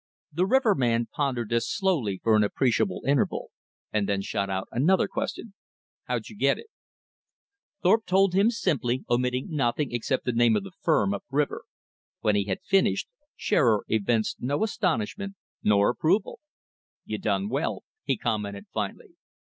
The riverman pondered this slowly for an appreciable interval, and then shot out another question. "How'd you get it?" Thorpe told him simply, omitting nothing except the name of the firm up river. When he had finished, Shearer evinced no astonishment nor approval. "You done well," he commented finally.